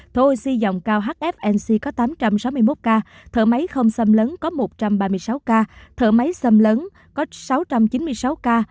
thở oxy dòng cao hfnc có tám trăm sáu mươi một ca thở máy không xâm lớn có một trăm ba mươi sáu ca thở máy xâm lớn có sáu trăm chín mươi sáu ca